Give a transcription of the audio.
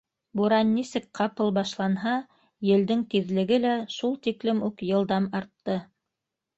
Буран нисек ҡапыл башланһа, елдең тиҙлеге лә шул тиклем үк йылдам артты.